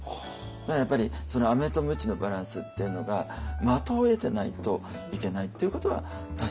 だからやっぱりそのアメとムチのバランスっていうのが的を射てないといけないっていうことは確かにあるかも分かりません。